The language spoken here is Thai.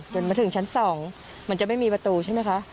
มาถึงชั้น๒มันจะไม่มีประตูใช่ไหมคะ